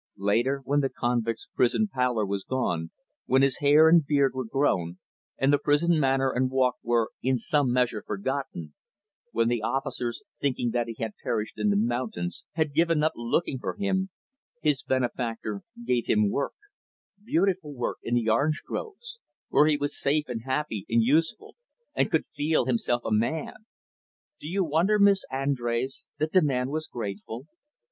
Later, when the convict's prison pallor was gone, when his hair and beard were grown, and the prison manner and walk were, in some measure, forgotten; when the officers, thinking that he had perished in the mountains, had given up looking for him; his benefactor gave him work beautiful work in the orange groves where he was safe and happy and useful and could feel himself a man. "Do you wonder, Miss Andrés, that the man was grateful?